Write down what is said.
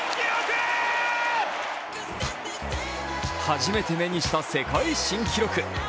初めて目にした世界新記録。